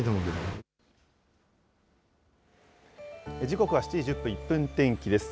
時刻は７時１０分、１分天気です。